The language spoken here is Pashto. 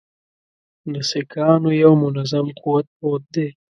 د سیکهانو یو منظم قوت پروت دی.